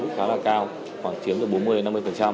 khá là cao khoảng chiếm từ bốn mươi đến năm mươi